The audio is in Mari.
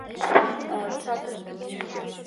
— Садыште кишке!..